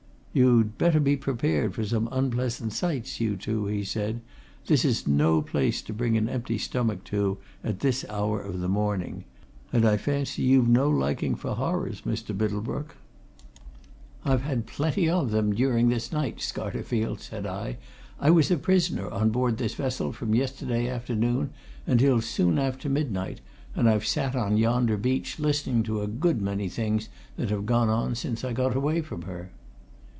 "You'd better be prepared for some unpleasant sights, you two!" he said. "This is no place to bring an empty stomach to at this hour of the morning and I fancy you've no liking for horrors, Mr. Middlebrook." "I've had plenty of them during this night, Scarterfield," said I. "I was a prisoner on board this vessel from yesterday afternoon until soon after midnight, and I've sat on yonder beach listening to a good many things that have gone on since I got away from her."